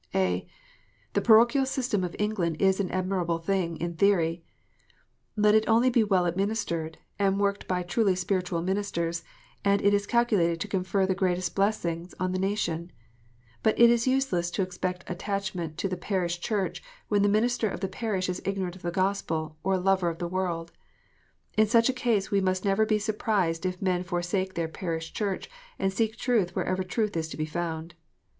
(a) The parochial system of England is an admirable thing in theory. Let it only be well administered, and worked by truly spiritual ministers, and it is calculated to confer the greatest blessings on the nation. But it is useless to expect attachment to the parish church, when the minister of the parish is ignorant of the Gospel or a lover of the world. In such a case we must never be surprised if men forsake their parish church, and seek truth wherever truth is to be found.